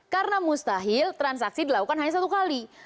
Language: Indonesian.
karena mustahil transaksi dilakukan hanya satu kali